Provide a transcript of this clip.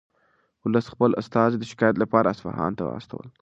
ولس خپل استازي د شکایت لپاره اصفهان ته واستول.